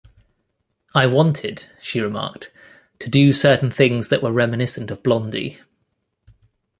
"I wanted," she remarked, "to do certain things that were reminiscent of Blondie.